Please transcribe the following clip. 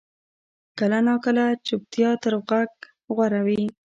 کله ناکله چپتیا تر غږ غوره وي.